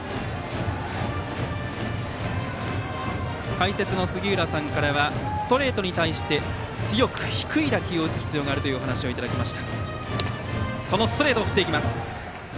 解説の杉浦さんからはストレートに対して強く低い打球を打つ必要があるというお話をいただきました。